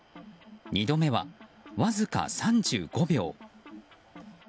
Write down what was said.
２度目はわずか３５秒。